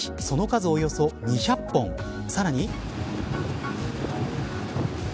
その数、およそ２００本さらに。